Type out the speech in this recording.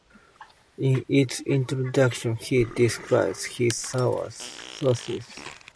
In its introduction he describes his sources.